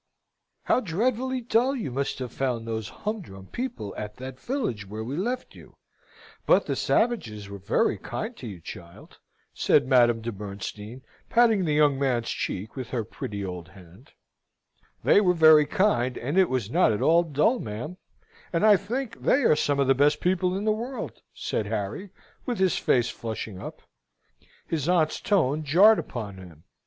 "How dreadfully dull you must have found those humdrum people at that village where we left you but the savages were very kind to you, child!" said Madame de Bernstein, patting the young man's cheek with her pretty old hand. "They were very kind; and it was not at all dull, ma'am, and I think they are some of the best people in the world," said Harry, with his face flushing up. His aunt's tone jarred upon him.